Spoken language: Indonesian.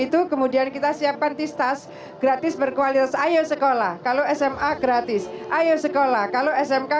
itu kemudian kita siapkan tistas gratis berkualitas ayo sekolah kalau sma gratis ayo sekolah kalau smk